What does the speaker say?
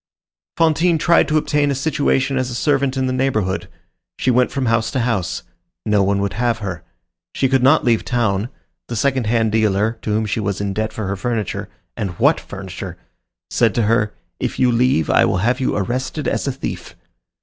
Fantine tried to obtain a situation as a servant in the neighborhood; she went from house to house. No one would have her. She could not leave town. The second hand dealer, to whom she was in debt for her furniture—and what furniture!—said to her, "If you leave, I will have you arrested as a thief."